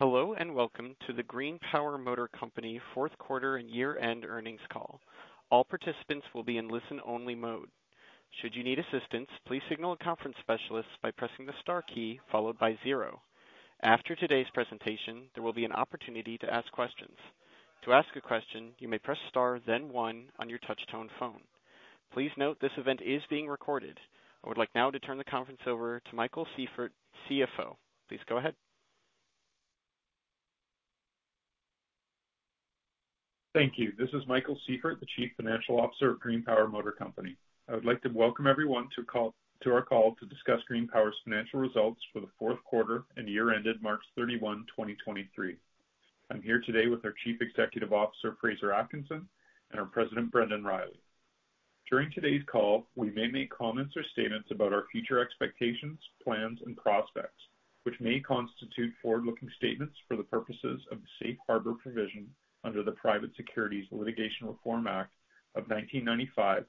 Hello, welcome to the GreenPower Motor Company Q4 and year-end earnings call. All participants will be in listen-only mode. Should you need assistance, please signal a conference specialist by pressing the star key followed by zero. After today's presentation, there will be an opportunity to ask questions. To ask a question, you may press star then one on your Touch-Tone phone. Please note, this event is being recorded. I would like now to turn the conference over to Michael Sieffert, CFO. Please go ahead. Thank you. This is Michael Sieffert, the Chief Financial Officer of GreenPower Motor Company. I would like to welcome everyone to our call to discuss GreenPower's financial results for the Q4 and year ended March 31, 2023. I'm here today with our Chief Executive Officer, Fraser Atkinson, and our President, Brendan Riley. During today's call, we may make comments or statements about our future expectations, plans, and prospects, which may constitute forward-looking statements for the purposes of the Safe Harbor Provision under the Private Securities Litigation Reform Act of 1995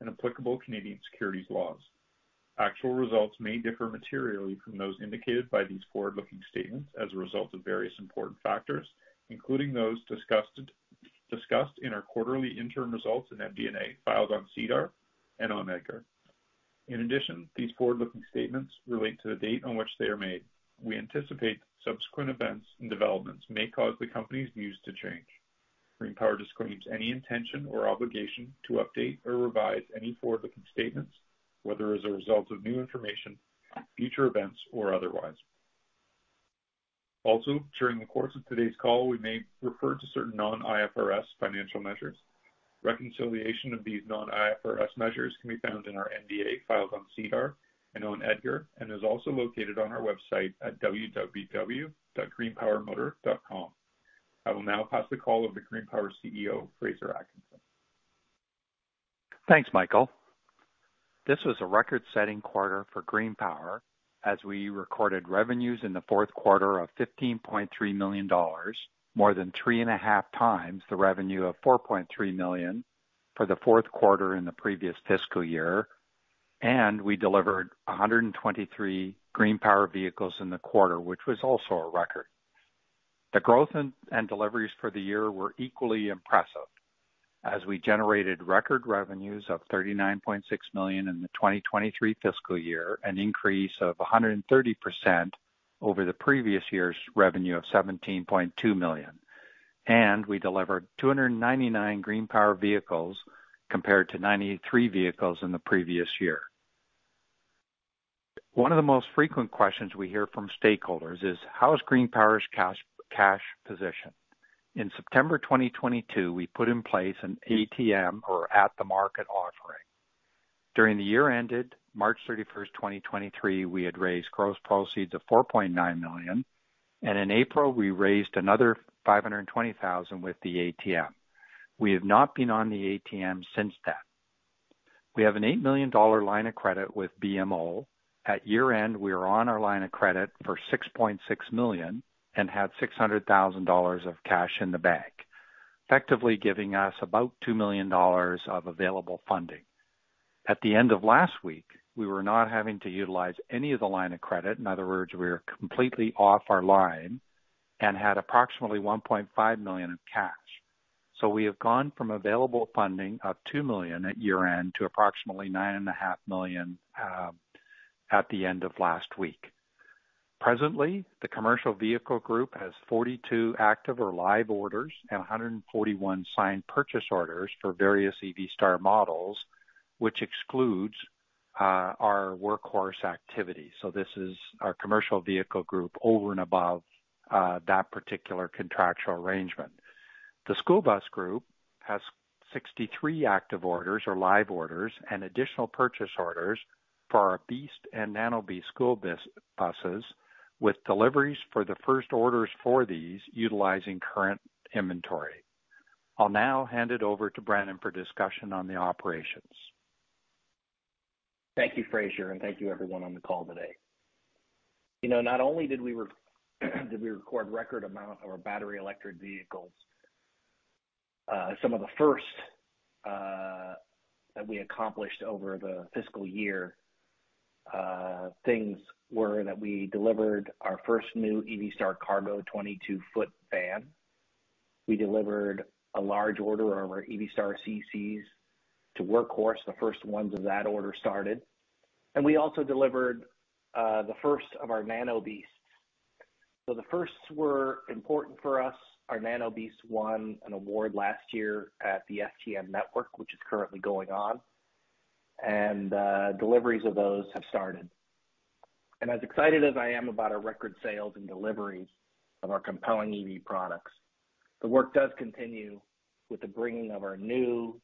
and applicable Canadian securities laws. Actual results may differ materially from those indicated by these forward-looking statements as a result of various important factors, including those discussed in our quarterly interim results in MD&A, filed on SEDAR and on EDGAR. These forward-looking statements relate to the date on which they are made. We anticipate subsequent events and developments may cause the company's views to change. GreenPower disclaims any intention or obligation to update or revise any forward-looking statements, whether as a result of new information, future events, or otherwise. Also, during the course of today's call, we may refer to certain non-IFRS financial measures. Reconciliation of these non-IFRS measures can be found in our MD&A, filed on SEDAR and on EDGAR, and is also located on our website at www.greenpowermotor.com. I will now pass the call over to GreenPower CEO, Fraser Atkinson. Thanks, Michael. This was a record-setting quarter for GreenPower, as we recorded revenues in the Q4 of $15.3 million, more than three and a half times the revenue of $4.3 million for the Q4 in the previous fiscal year. We delivered 123 GreenPower vehicles in the quarter, which was also a record. The growth and deliveries for the year were equally impressive as we generated record revenues of $39.6 million in the 2023 fiscal year, an increase of 130% over the previous year's revenue of $17.2 million. We delivered 299 GreenPower vehicles, compared to 93 vehicles in the previous year. One of the most frequent questions we hear from stakeholders is: How is GreenPower's cash position? In September 2022, we put in place an ATM or at-the-market offering. During the year ended March 31st, 2023, we had raised gross proceeds of $4.9 million. In April, we raised another $520,000 with the ATM. We have not been on the ATM since then. We have an $8 million line of credit with BMO. At year-end, we are on our line of credit for $6.6 million and had $600,000 of cash in the bank, effectively giving us about $2 million of available funding. At the end of last week, we were not having to utilize any of the line of credit. In other words, we are completely off our line and had approximately $1.5 million in cash. We have gone from available funding of $2 million at year-end to approximately $9.5 million at the end of last week. Presently, the commercial vehicle group has 42 active or live orders and 141 signed purchase orders for various EV Star models, which excludes our Workhorse activity. This is our commercial vehicle group over and above that particular contractual arrangement. The school bus group has 63 active orders or live orders and additional purchase orders for our BEAST and Nano BEAST school buses, with deliveries for the first orders for these utilizing current inventory. I will now hand it over to Brendan for discussion on the operations. Thank you, Fraser, and thank you everyone on the call today. You know, not only did we record record amount of our battery electric vehicles, some of the first that we accomplished over the fiscal year, things were that we delivered our first new EV Star Cargo 22 foot van. We delivered a large order of our EV Star CCs to Workhorse, the first ones of that order started. We also delivered the first of our Nano BEAST. The firsts were important for us. Our Nano BEAST won an award last year at the STN EXPO, which is currently going on. Deliveries of those have started. As excited as I am about our record sales and deliveries of our compelling EV products, the work does continue with the bringing of our new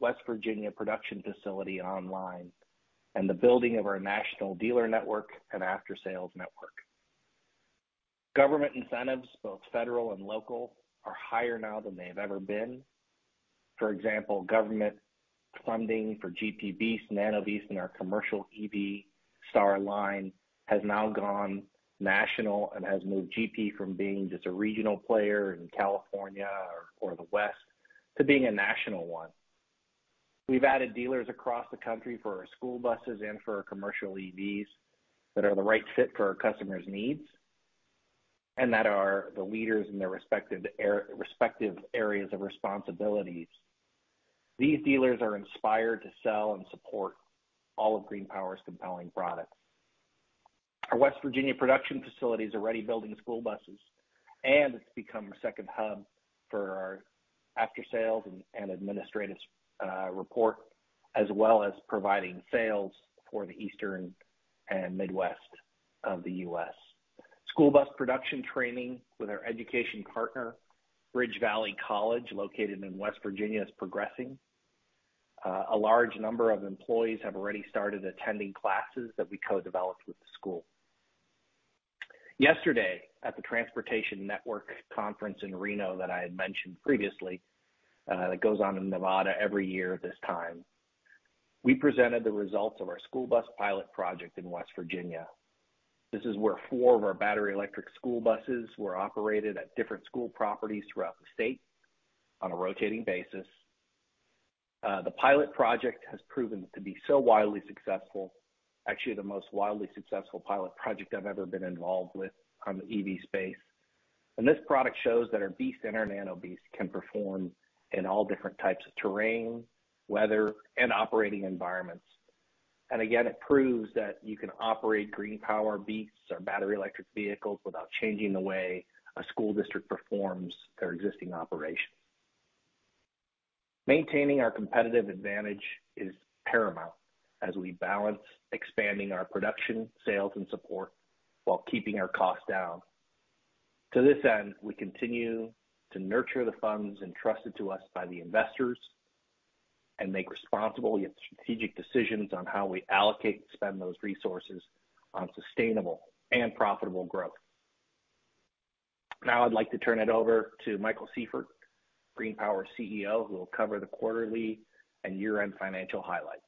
West Virginia production facility online and the building of our national dealer network and aftersales network. Government incentives, both federal and local, are higher now than they have ever been. For example, government funding for GP BEAST, Nano BEAST, and our commercial EV Star line has now gone national and has moved GP from being just a regional player in California or the West to being a national one. We've added dealers across the country for our school buses and for our commercial EVs that are the right fit for our customers' needs, and that are the leaders in their respective areas of responsibilities. These dealers are inspired to sell and support all of GreenPower's compelling products. Our West Virginia production facility is already building school buses. It's become a second hub for our aftersales and administrative report, as well as providing sales for the Eastern and Midwest of the U.S. School bus production training with our education partner, Bridge Valley College, located in West Virginia, is progressing. A large number of employees have already started attending classes that we co-developed with the school. Yesterday, at the Transportation Network Conference in Reno that I had mentioned previously, that goes on in Nevada every year at this time, we presented the results of our school bus pilot project in West Virginia. This is where four of our battery electric school buses were operated at different school properties throughout the state on a rotating basis. The pilot project has proven to be so wildly successful, actually the most wildly successful pilot project I've ever been involved with on the EV space. This product shows that our BEAST and our Nano BEAST can perform in all different types of terrain, weather, and operating environments. Again, it proves that you can operate GreenPower BEASTs or battery electric vehicles without changing the way a school district performs their existing operation. Maintaining our competitive advantage is paramount as we balance expanding our production, sales, and support while keeping our costs down. To this end, we continue to nurture the funds entrusted to us by the investors and make responsible yet strategic decisions on how we allocate and spend those resources on sustainable and profitable growth. I'd like to turn it over to Michael Sieffert, GreenPower's CFO, who will cover the quarterly and year-end financial highlights.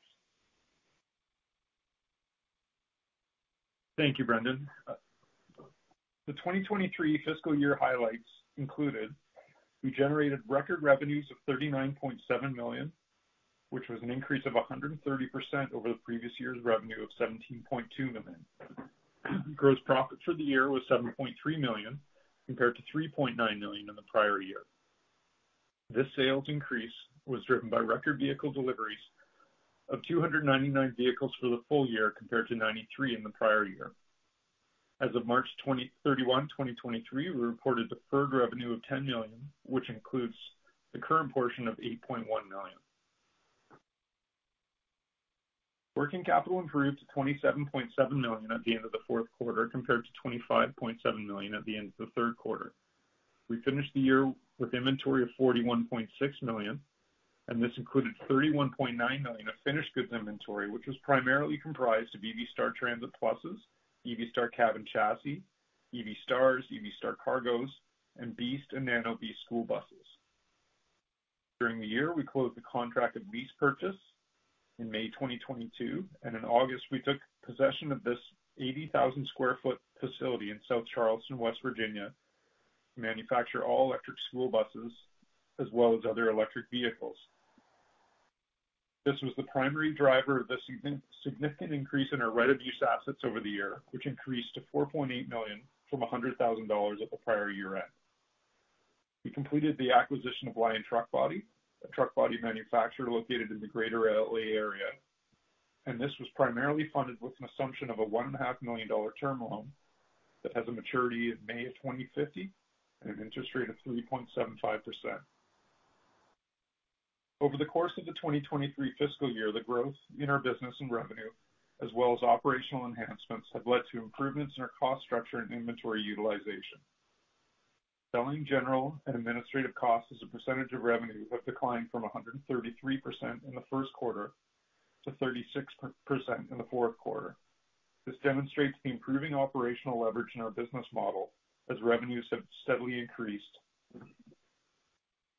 Thank you, Brendan. The 2023 fiscal year highlights included: we generated record revenues of $39.7 million, which was an increase of 130% over the previous year's revenue of $17.2 million. Gross profit for the year was $7.3 million, compared to $3.9 million in the prior year. This sales increase was driven by record vehicle deliveries of 299 vehicles for the full year, compared to 93 in the prior year. As of March 31, 2023, we reported deferred revenue of $10 million, which includes the current portion of $8.1 million. Working capital improved to $27.7 million at the end of the Q4, compared to $25.7 million at the end of the Q3. We finished the year with inventory of $41.6 million, and this included $31.9 million of finished goods inventory, which was primarily comprised of EV Star Transit Pluses, EV Star Cab & Chassis, EV Stars, EV Star Cargos, and BEAST and Nano BEAST school buses. During the year, we closed the contract of lease purchase in May 2022, and in August, we took possession of this 80,000 sq ft facility in South Charleston, West Virginia, to manufacture all electric school buses as well as other electric vehicles. This was the primary driver of the significant increase in our right-of-use assets over the year, which increased to $4.8 million from $100,000 at the prior year-end. We completed the acquisition of Lion Truck Body, a truck body manufacturer located in the greater L.A. area. This was primarily funded with an assumption of a $1.5 million term loan that has a maturity in May of 2050 and an interest rate of 3.75%. Over the course of the 2023 fiscal year, the growth in our business and revenue, as well as operational enhancements, have led to improvements in our cost structure and inventory utilization. Selling general and administrative costs as a percentage of revenue have declined from 133% in the Q1 to 36% in the Q4. This demonstrates the improving operational leverage in our business model as revenues have steadily increased.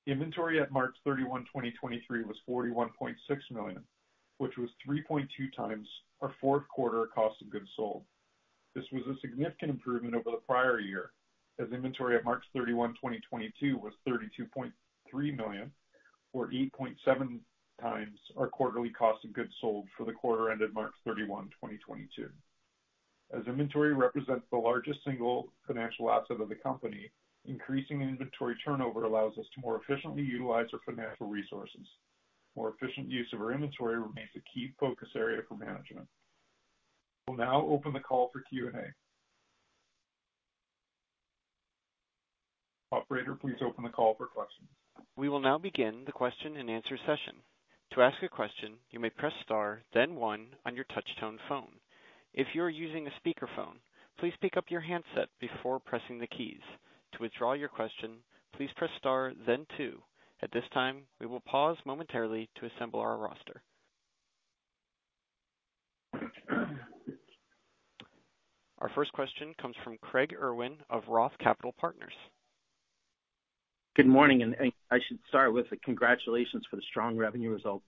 Inventory at March 31, 2023, was $41.6 million, which was 3.2 times our Q4 cost of goods sold. This was a significant improvement over the prior year, as inventory at March 31, 2022, was $32.3 million, or 8.7 times our quarterly cost of goods sold for the quarter ended March 31, 2022. Inventory represents the largest single financial asset of the company, increasing inventory turnover allows us to more efficiently utilize our financial resources. More efficient use of our inventory remains a key focus area for management. We'll now open the call for Q&A. Operator, please open the call for questions. We will now begin the question-and-answer session. To ask a question, you may press star, then 1 on your touch-tone phone. If you are using a speakerphone, please pick up your handset before pressing the keys. To withdraw your question, please press star, then 2. At this time, we will pause momentarily to assemble our roster. Our first question comes from Craig Irwin of Roth Capital Partners. Good morning, and I should start with a congratulations for the strong revenue result.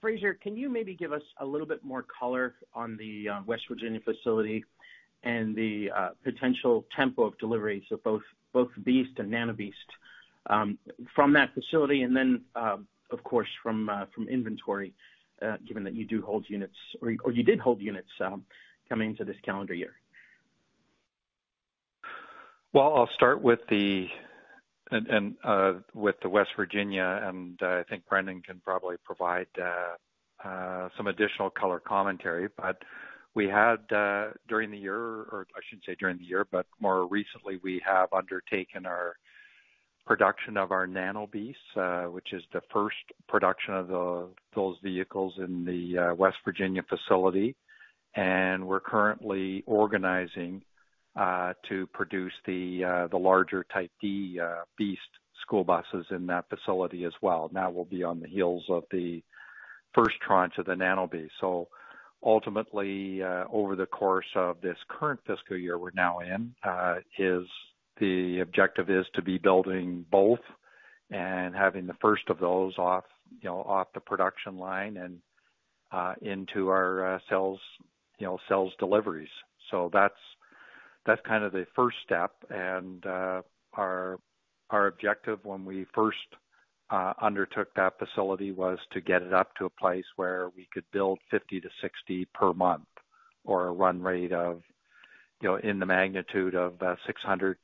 Fraser, can you maybe give us a little bit more color on the West Virginia facility and the potential tempo of delivery, so both BEAST and Nano BEAST from that facility, and then, of course, from inventory, given that you do hold units or you did hold units coming into this calendar year? Well, I'll start with the, and with the West Virginia, I think Brendan can probably provide some additional color commentary. We had during the year, or I shouldn't say during the year, but more recently, we have undertaken our production of our Nano BEAST, which is the first production of those vehicles in the West Virginia facility. We're currently organizing to produce the larger Type D BEAST school buses in that facility as well. That will be on the heels of the first tranche of the Nano BEAST. Ultimately, over the course of this current fiscal year we're now in, is the objective is to be building both and having the first of those off, you know, off the production line and into our sales, you know, sales deliveries. That's kind of the first step. Our objective when we first undertook that facility was to get it up to a place where we could build 50-60 per month or a run rate of, you know, in the magnitude of 600-700+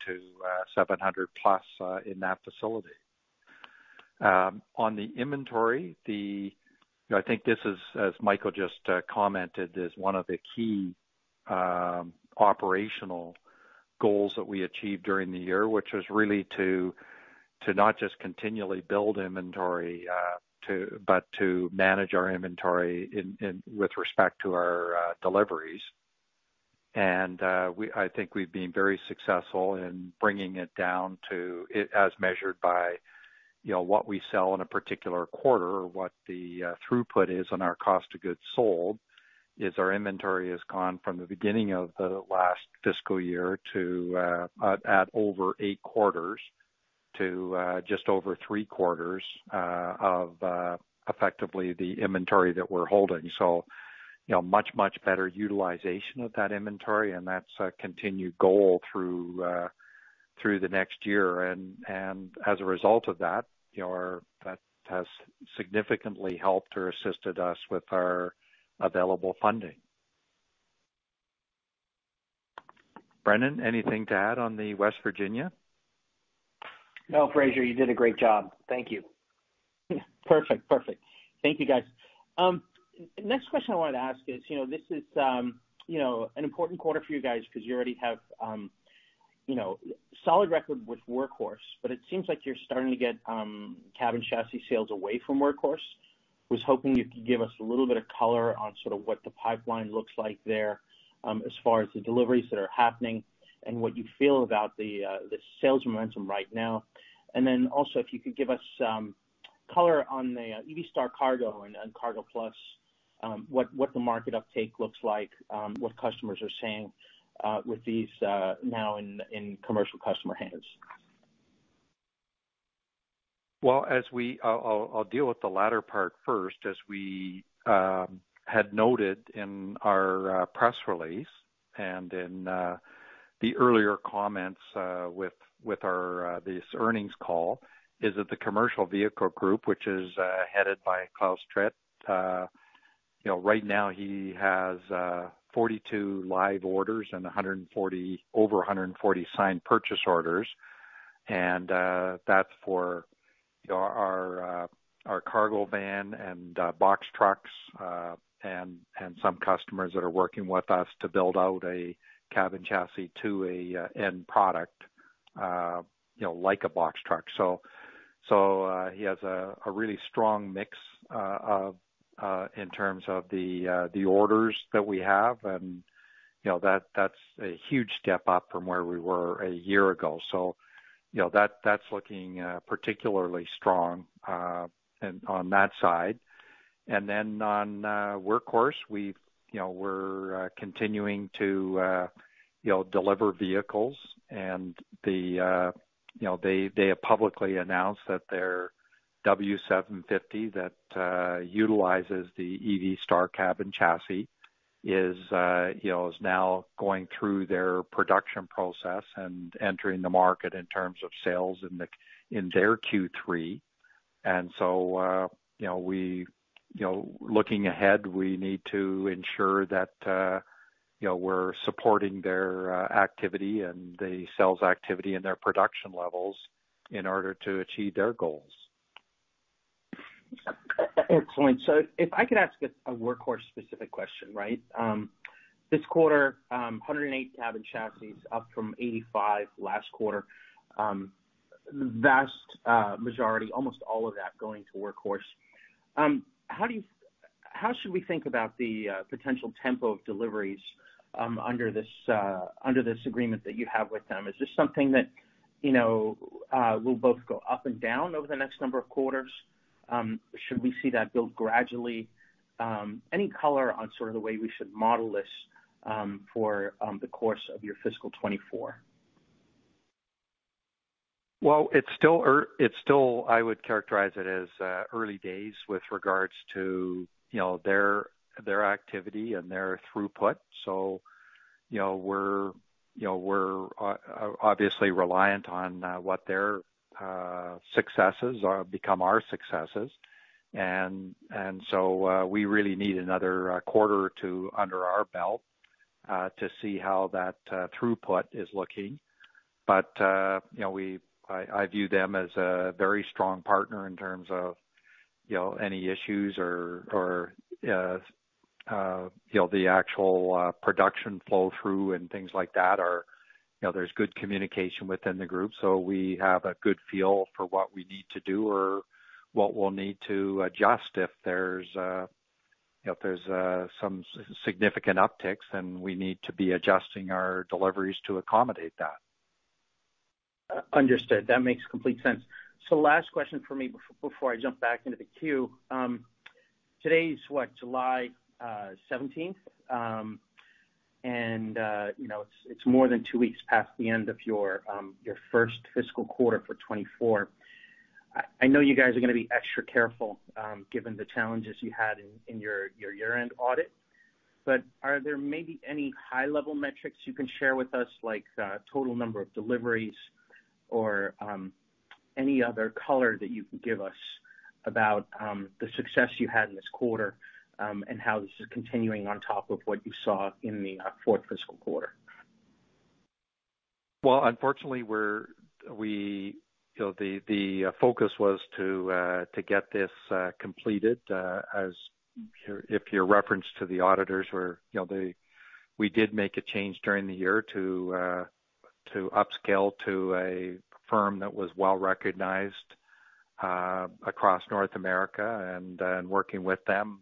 in that facility. On the inventory, you know, I think this is, as Michael just commented, is one of the key operational goals that we achieved during the year, which was really to not just continually build inventory, but to manage our inventory in with respect to our deliveries. I think we've been very successful in bringing it down to it as measured by, you know, what we sell in a particular quarter or what the throughput is on our cost of goods sold, is our inventory has gone from the beginning of the last fiscal year to over eight quarters to just over three quarters of effectively the inventory that we're holding. You know, much better utilization of that inventory, and that's a continued goal through the next year. As a result of that, you know, that has significantly helped or assisted us with our available funding. Brendan, anything to add on the West Virginia? No, Fraser, you did a great job. Thank you. Perfect. Perfect. Thank you, guys. Next question I wanted to ask is, you know, this is, you know, an important quarter for you guys because you already have, you know, solid record with Workhorse, but it seems like you're starting to get cab and chassis sales away from Workhorse. Was hoping you could give us a little bit of color on sort of what the pipeline looks like there, as far as the deliveries that are happening and what you feel about the sales momentum right now. Also, if you could give us color on the EV Star Cargo and Cargo Plus, what the market uptake looks like, what customers are saying with these now in commercial customer hands. I'll deal with the latter part first. As we had noted in our press release and in the earlier comments with our this earnings call, is that the commercial vehicle group, which is headed by Claus Tritt. you know, right now he has 42 live orders and 140, over 140 signed purchase orders, and that's for, you know, our cargo van and box trucks and some customers that are working with us to build out a cab and chassis to a end product, you know, like a box truck. so he has a really strong mix of in terms of the orders that we have. You know, that's a huge step up from where we were a year ago. You know, that's looking particularly strong and on that side. On Workhorse, we've, you know, we're continuing to, you know, deliver vehicles and, you know, they have publicly announced that their W750 that utilizes the EV Star Cab & Chassis is, you know, is now going through their production process and entering the market in terms of sales in their Q3. You know, we, you know, looking ahead, we need to ensure that, you know, we're supporting their activity and the sales activity and their production levels in order to achieve their goals. Excellent. If I could ask a Workhorse specific question, right? This quarter, 108 cabin chassis, up from 85 last quarter. Vast majority, almost all of that going to Workhorse. How should we think about the potential tempo of deliveries under this agreement that you have with them? Is this something that, you know, will both go up and down over the next number of quarters? Should we see that build gradually? Any color on sort of the way we should model this for the course of your fiscal 2024?... Well, it's still, I would characterize it as, early days with regards to, you know, their activity and their throughput. You know, we're obviously reliant on what their successes become our successes. We really need another quarter or two under our belt, to see how that throughput is looking. You know, I view them as a very strong partner in terms of, you know, any issues or, you know, the actual production flow through and things like that are, you know, there's good communication within the group, so we have a good feel for what we need to do or what we'll need to adjust if there's, you know, if there's some significant upticks, then we need to be adjusting our deliveries to accommodate that. Understood. That makes complete sense. Last question for me before I jump back into the queue. Today is what? July 17th. You know, it's more than two weeks past the end of your first fiscal quarter for 2024. I know you guys are gonna be extra careful, given the challenges you had in your year-end audit, but are there maybe any high-level metrics you can share with us, like, total number of deliveries or, any other color that you can give us about, the success you had in this quarter, and how this is continuing on top of what you saw in the fourth fiscal quarter? Well, unfortunately, we're, you know, the focus was to get this completed as your... If your reference to the auditors were, you know, we did make a change during the year to upscale to a firm that was well recognized across North America, and working with them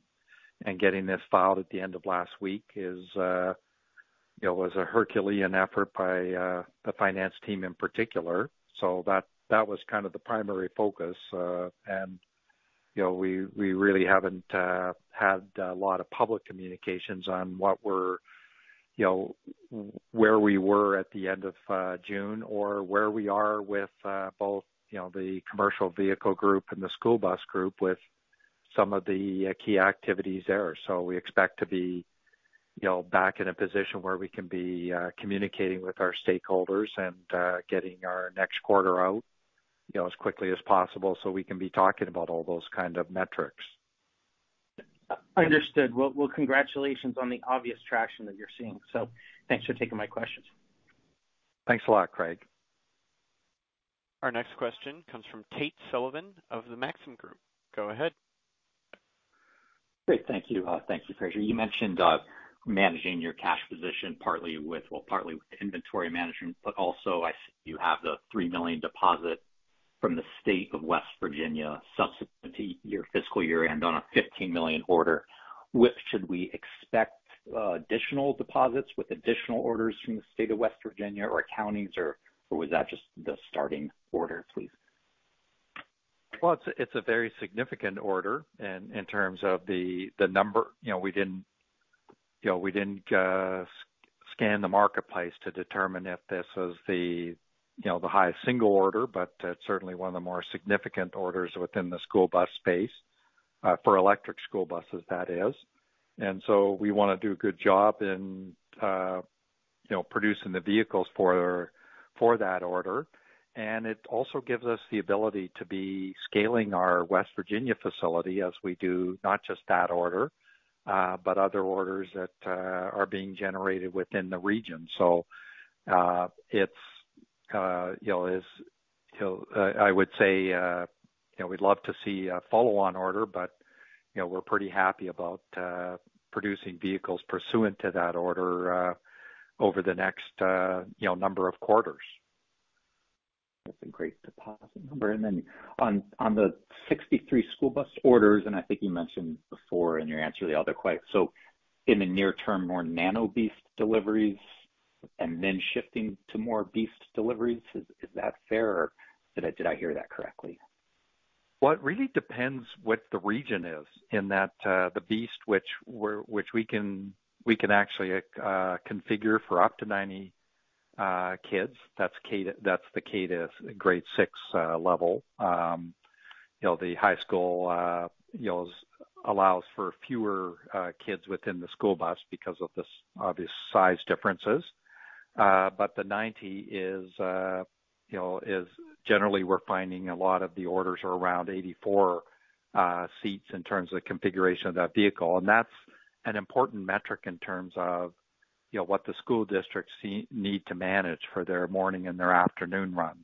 and getting this filed at the end of last week is, you know, was a herculean effort by the finance team in particular. That was kind of the primary focus. You know, we really haven't had a lot of public communications on what we're, you know, where we were at the end of June or where we are with both, you know, the commercial vehicle group and the school bus group with some of the key activities there. We expect to be, you know, back in a position where we can be communicating with our stakeholders and getting our next quarter out, you know, as quickly as possible so we can be talking about all those kind of metrics. Understood. Well, congratulations on the obvious traction that you're seeing. Thanks for taking my questions. Thanks a lot, Craig. Our next question comes from Tate Sullivan of the Maxim Group. Go ahead. Great. Thank you. Thank you, Fraser. You mentioned managing your cash position partly with inventory management, but also I see you have the $3 million deposit from the state of West Virginia subsequent to your fiscal year end on a $15 million order. Which should we expect additional deposits with additional orders from the state of West Virginia or counties, or was that just the starting order, please? Well, it's a very significant order in terms of the number. You know, we didn't scan the marketplace to determine if this was the highest single order, but certainly one of the more significant orders within the school bus space for electric school buses, that is. We wanna do a good job in, you know, producing the vehicles for that order. It also gives us the ability to be scaling our West Virginia facility as we do, not just that order, but other orders that are being generated within the region. It's, you know, is, you know, I would say, you know, we'd love to see a follow-on order, but, you know, we're pretty happy about producing vehicles pursuant to that order over the next, you know, number of quarters. That's a great deposit number. Then on the 63 school bus orders, I think you mentioned before in your answer to the other quite, in the near term, more Nano BEAST deliveries and then shifting to more BEAST deliveries, is that fair, or did I hear that correctly? Well, it really depends what the region is in that the BEAST which we can actually configure for up to 90 kids. That's the K to grade six level. You know, the high school, you know, allows for fewer kids within the school bus because of the obvious size differences. The 90 is, you know, is generally we're finding a lot of the orders are around 84 seats in terms of the configuration of that vehicle. That's an important metric in terms of, you know, what the school districts need to manage for their morning and their afternoon run.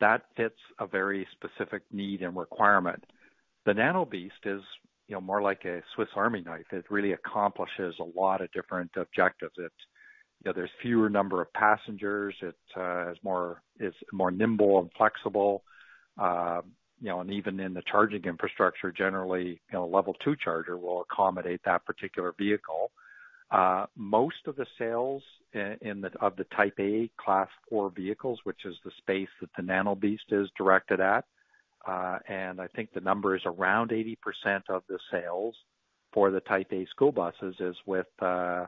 That fits a very specific need and requirement. The Nano BEAST is, you know, more like a Swiss Army knife. It really accomplishes a lot of different objectives. It, you know, there's fewer number of passengers. It has more, it's more nimble and flexible. You know, and even in the charging infrastructure, generally, you know, a level two charger will accommodate that particular vehicle. Most of the sales in the, of the Type A Class four vehicles, which is the space that the Nano BEAST is directed at, and I think the number is around 80% of the sales for the Type A school buses is with, you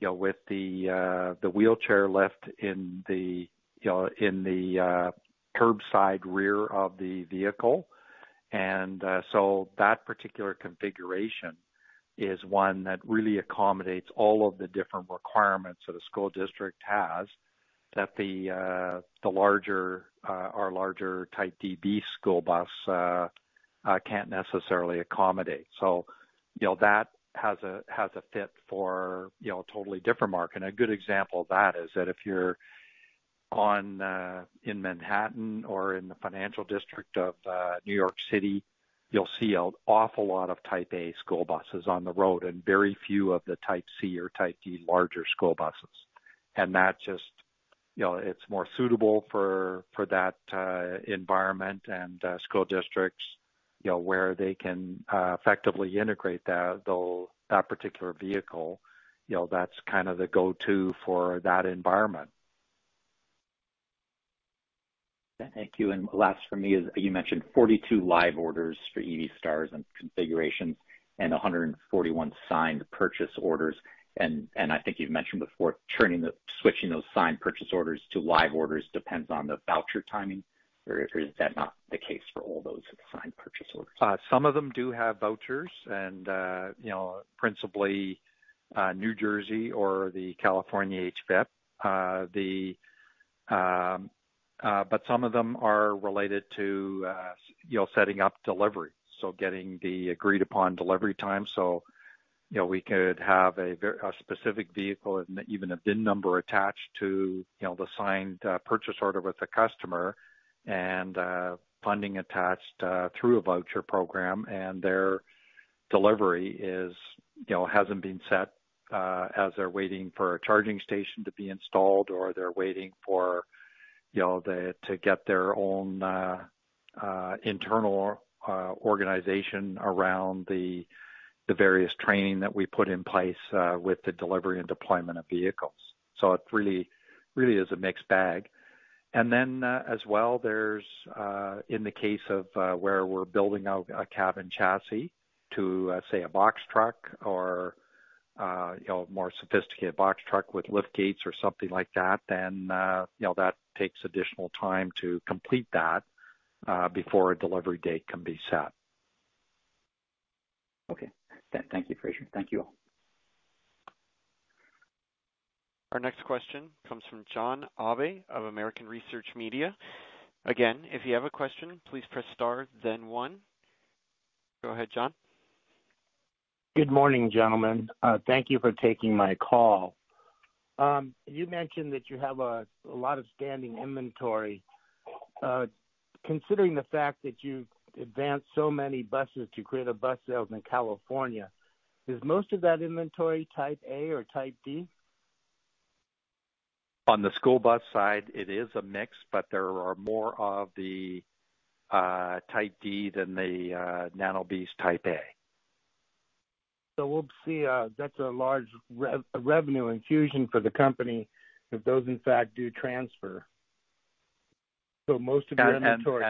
know, with the wheelchair lift in the, you know, in the, curbside rear of the vehicle. So that particular configuration is one that really accommodates all of the different requirements that a school district has, that the larger, our larger Type D BEAST school bus, can't necessarily accommodate. you know, that has a, has a fit for, you know, a totally different market. A good example of that is that if you're on in Manhattan or in the financial district of New York City, you'll see an awful lot of Type A school buses on the road and very few of the Type C or Type D larger school buses. That just, you know, it's more suitable for that environment and school districts, you know, where they can effectively integrate that, though, that particular vehicle, you know, that's kind of the go-to for that environment. Thank you. Last for me is, you mentioned 42 live orders for EV Stars and configurations and 141 signed purchase orders. I think you've mentioned before, switching those signed purchase orders to live orders depends on the voucher timing, or is that not the case for all those signed purchase orders? Some of them do have vouchers, and, you know, principally, New Jersey or the California HVIP. Some of them are related to, you know, setting up delivery, so getting the agreed upon delivery time. You know, we could have a specific vehicle and even a bin number attached to, you know, the signed purchase order with the customer and funding attached through a voucher program, and their delivery is, you know, hasn't been set as they're waiting for a charging station to be installed, or they're waiting for, you know, to get their own internal organization around the various training that we put in place with the delivery and deployment of vehicles. It really is a mixed bag. As well, there's, in the case of, where we're building out a cab and chassis to, say, a box truck or, you know, a more sophisticated box truck with lift gates or something like that, then, you know, that takes additional time to complete that, before a delivery date can be set. Okay. Thank you, Fraser. Thank you all. Our next question comes from John Abe of American Research Media. Again, if you have a question, please press star, then one. Go ahead, John. Good morning, gentlemen. Thank you for taking my call. You mentioned that you have a lot of standing inventory. Considering the fact that you've advanced so many buses to create a bus sales in California, is most of that inventory Type A or Type D? On the school bus side, it is a mix, but there are more of the Type D than the Nano BEAST Type A. We'll see, that's a large revenue infusion for the company if those, in fact, do transfer. Most of the inventory-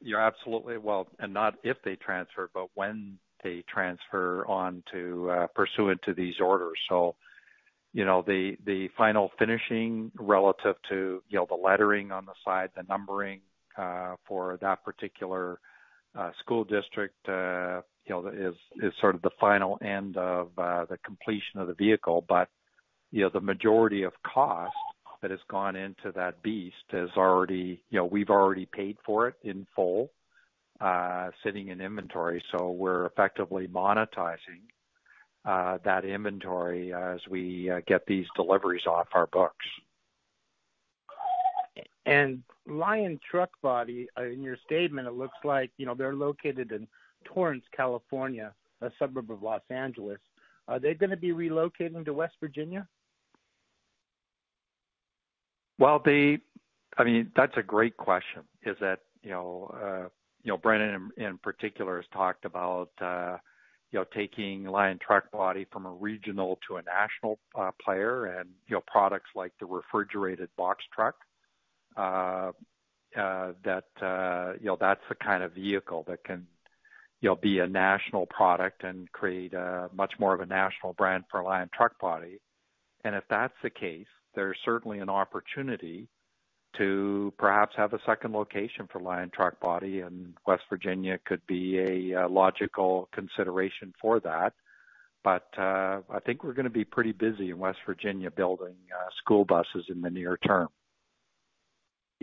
You're absolutely well, and not if they transfer, but when they transfer on to, pursuant to these orders. You know, the final finishing relative to, you know, the lettering on the side, the numbering for that particular school district, you know, is sort of the final end of the completion of the vehicle. You know, the majority of cost that has gone into that BEAST is already, you know, we've already paid for it in full, sitting in inventory. We're effectively monetizing that inventory as we get these deliveries off our books. Lion Truck Body, in your statement, it looks like, you know, they're located in Torrance, California, a suburb of Los Angeles. Are they going to be relocating to West Virginia? They... I mean, that's a great question, is that, you know, you know, Brendan, in particular, has talked about, you know, taking Lion Truck Body from a regional to a national player and, you know, products like the refrigerated box truck that, you know, that's the kind of vehicle that can, you know, be a national product and create much more of a national brand for Lion Truck Body. If that's the case, there's certainly an opportunity to perhaps have a second location for Lion Truck Body, and West Virginia could be a logical consideration for that. I think we're going to be pretty busy in West Virginia building school buses in the near term.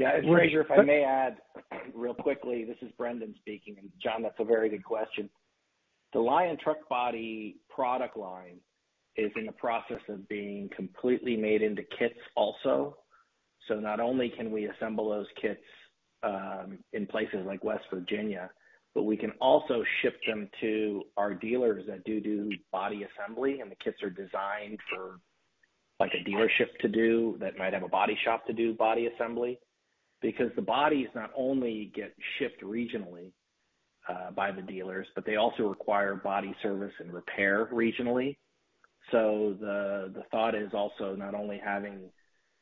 Yeah, Fraser, if I may add real quickly. This is Brendan speaking. John, that's a very good question. The Lion Truck Body product line is in the process of being completely made into kits also. Not only can we assemble those kits in places like West Virginia, but we can also ship them to our dealers that do body assembly. The kits are designed for like a dealership to do, that might have a body shop to do body assembly, because the bodies not only get shipped regionally by the dealers, but they also require body service and repair regionally. The thought is also not only.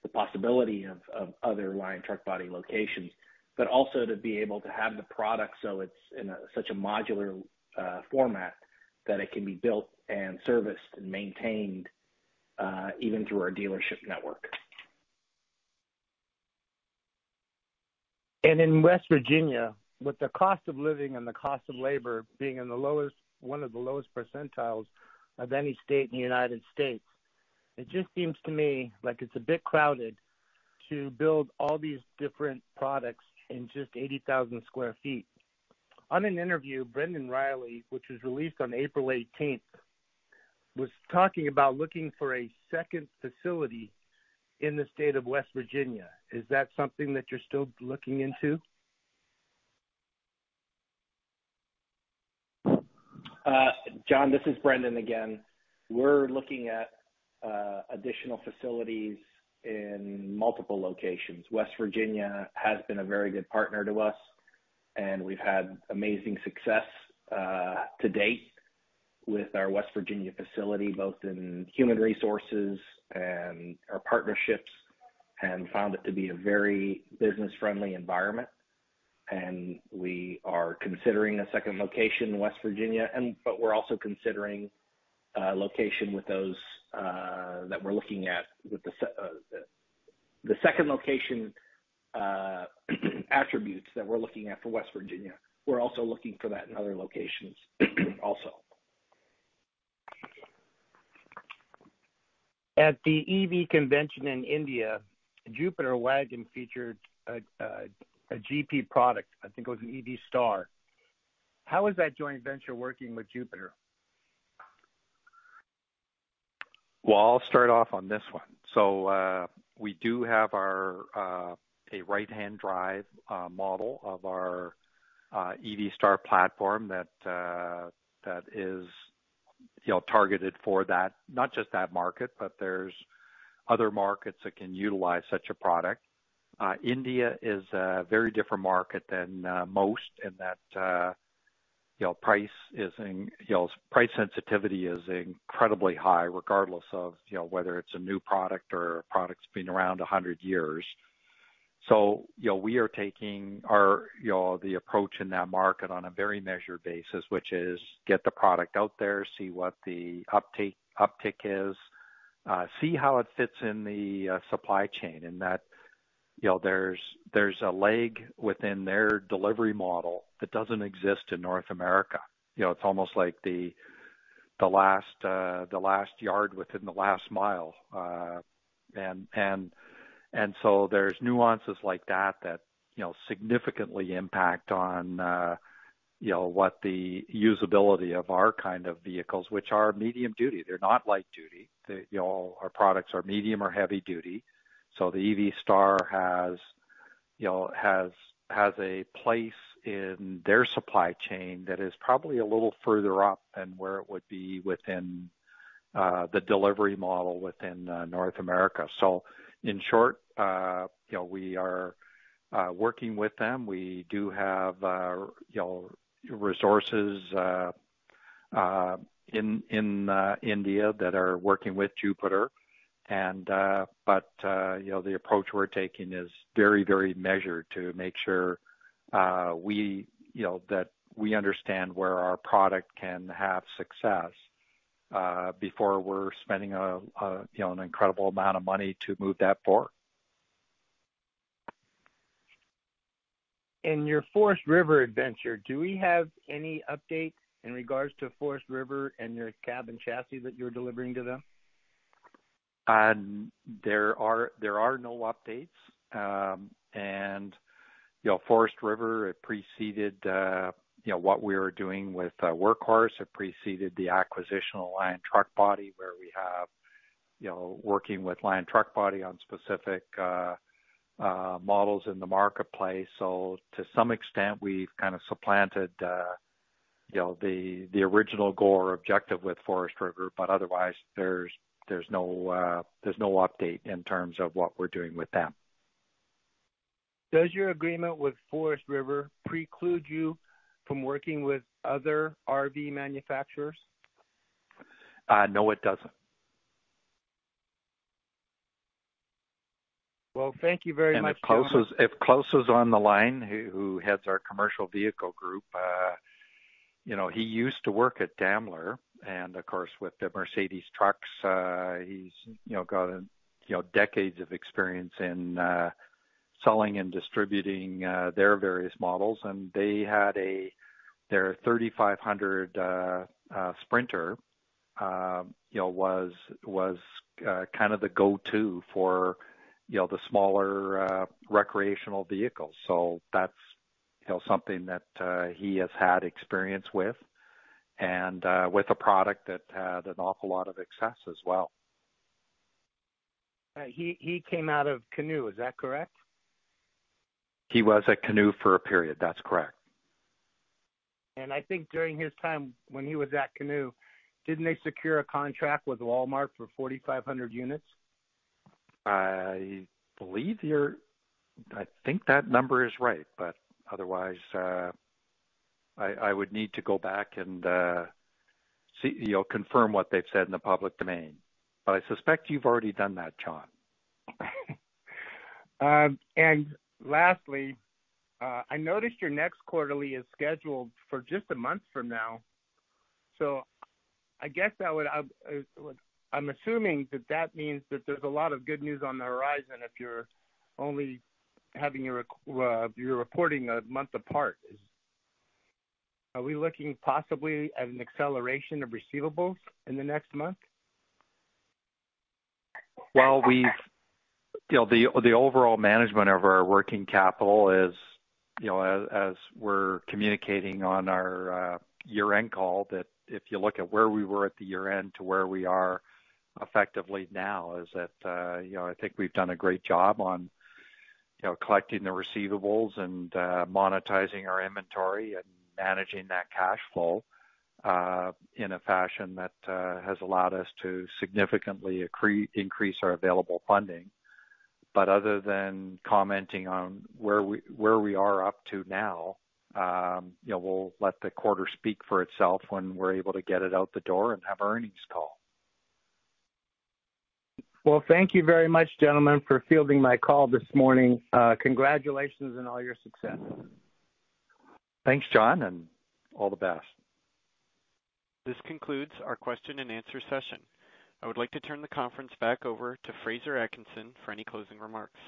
the possibility of other Lion Truck Body locations, but also to be able to have the product so it's in such a modular format that it can be built and serviced and maintained, even through our dealership network. In West Virginia, with the cost of living and the cost of labor being in the lowest, one of the lowest percentiles of any state in the United States, it just seems to me like it's a bit crowded to build all these different products in just 80,000 sq ft. On an interview, Brendan Riley, which was released on April 18th, was talking about looking for a second facility in the state of West Virginia. Is that something that you're still looking into? John, this is Brendan again. We're looking at additional facilities in multiple locations. West Virginia has been a very good partner to us, and we've had amazing success to date with our West Virginia facility, both in human resources and our partnerships, and found it to be a very business-friendly environment. But we are considering a second location in West Virginia, but we're also considering a location with those that we're looking at with the second location attributes that we're looking at for West Virginia. We're also looking for that in other locations, also. At the EV convention in India, Jupiter Wagons featured a GP product. I think it was an EV Star. How is that joint venture working with Jupiter? Well, I'll start off on this one. We do have our a right-hand drive model of our EV Star platform that that is, you know, targeted for that. Not just that market, but there's other markets that can utilize such a product. India is a very different market than most in that, you know, price is in, you know, price sensitivity is incredibly high, regardless of, you know, whether it's a new product or a product's been around 100 years. You know, we are taking our, you know, the approach in that market on a very measured basis, which is get the product out there, see what the uptick is, see how it fits in the supply chain, and that, you know, there's a leg within their delivery model that doesn't exist in North America. You know, it's almost like the last, the last yard within the last mile. There's nuances like that, you know, significantly impact on, you know, what the usability of our kind of vehicles, which are medium duty, they're not light duty. They, you know, our products are medium or heavy duty, so the EV Star has, you know, has a place in their supply chain that is probably a little further up than where it would be within the delivery model within North America. In short, you know, we are working with them. We do have, you know, resources in India that are working with Jupiter. You know, the approach we're taking is very, very measured to make sure we, you know, that we understand where our product can have success before we're spending you know, an incredible amount of money to move that forward. In your Forest River adventure, do we have any updates in regards to Forest River and your cab and chassis that you're delivering to them? There are no updates. You know, Forest River, it preceded, you know, what we were doing with Workhorse. It preceded the acquisition of Lion Truck Body, where we have, you know, working with Lion Truck Body on specific models in the marketplace. To some extent, we've kind of supplanted, you know, the original goal or objective with Forest River, but otherwise, there's no update in terms of what we're doing with them. Does your agreement with Forest River preclude you from working with other RV manufacturers? No, it doesn't. Well, thank you very much. If Klaus is on the line, who heads our commercial vehicle group, you know, he used to work at Daimler, and of course, with the Mercedes-Benz trucks, he's, you know, got, you know, decades of experience in selling and distributing their various models. They had their 3,500 Sprinter, you know, was kind of the go-to for, you know, the smaller recreational vehicles. That's, you know, something that he has had experience with and with a product that had an awful lot of success as well. He came out of Canoo, is that correct? He was at Canoe for a period. That's correct. I think during his time when he was at Canoe, didn't they secure a contract with Walmart for 4,500 units? I think that number is right, but otherwise I would need to go back and see, you know, confirm what they've said in the public domain, but I suspect you've already done that, John. Lastly, I noticed your next quarterly is scheduled for just a month from now. I guess I would, I'm assuming that that means that there's a lot of good news on the horizon if you're only having your reporting a month apart. Are we looking possibly at an acceleration of receivables in the next month? You know, the overall management of our working capital is, you know, as we're communicating on our year-end call, that if you look at where we were at the year end to where we are effectively now, is that, you know, I think we've done a great job on, you know, collecting the receivables and monetizing our inventory and managing that cash flow in a fashion that has allowed us to significantly increase our available funding. Other than commenting on where we are up to now, you know, we'll let the quarter speak for itself when we're able to get it out the door and have earnings call. Well, thank you very much, gentlemen, for fielding my call this morning. Congratulations on all your success. Thanks, John, and all the best. This concludes our question and answer session. I would like to turn the conference back over to Fraser Atkinson for any closing remarks.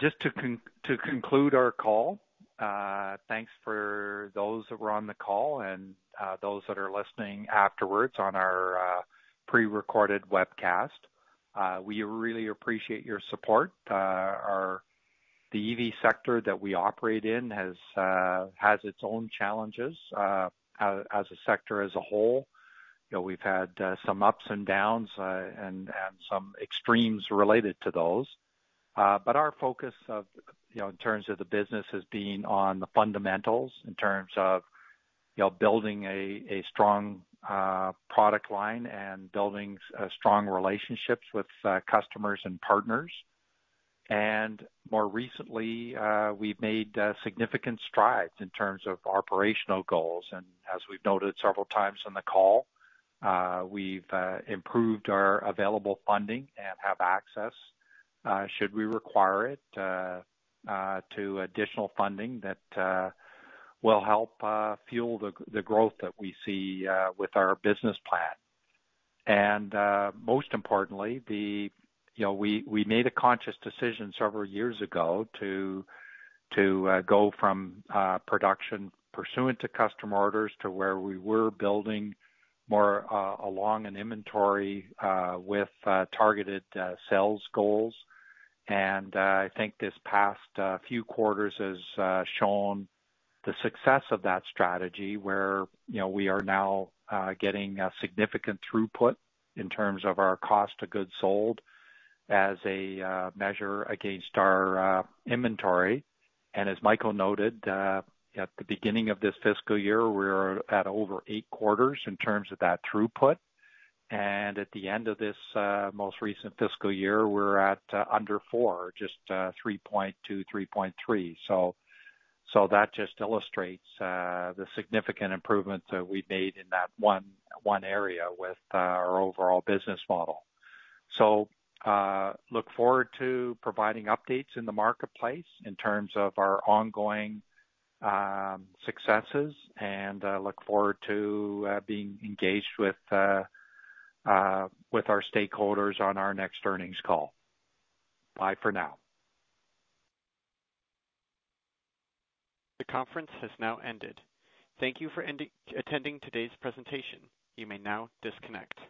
Just to conclude our call, thanks for those that were on the call and those that are listening afterwards on our pre-recorded webcast. We really appreciate your support. The EV sector that we operate in has its own challenges as a sector as a whole. You know, we've had some ups and downs and some extremes related to those. Our focus of, you know, in terms of the business, has been on the fundamentals in terms of, you know, building a strong product line and building strong relationships with customers and partners. More recently, we've made significant strides in terms of our operational goals, and as we've noted several times on the call, we've improved our available funding and have access, should we require it, to additional funding that will help fuel the growth that we see with our business plan. Most importantly, the, you know, we made a conscious decision several years ago to go from production pursuant to customer orders to where we were building more along an inventory with targeted sales goals. I think this past few quarters has shown the success of that strategy, where, you know, we are now getting a significant throughput in terms of our cost of goods sold as a measure against our inventory. As Michael noted, at the beginning of this fiscal year, we're at over eight quarters in terms of that throughput, and at the end of this most recent fiscal year, we're at under four, just 3.2, 3.3. That just illustrates the significant improvements that we've made in that one area with our overall business model. Look forward to providing updates in the marketplace in terms of our ongoing successes, look forward to being engaged with our stakeholders on our next earnings call. Bye for now. The conference has now ended. Thank you for attending today's presentation. You may now disconnect.